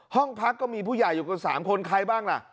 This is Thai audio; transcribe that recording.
ห้องพักก็มีผู้ใหญ่อยู่กัน๓คนใครบ้างล่ะ